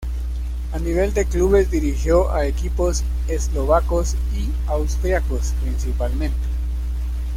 A nivel de clubes dirigió a equipos eslovacos y austriacos, principalmente.